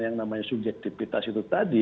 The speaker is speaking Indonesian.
yang namanya subjektivitas itu tadi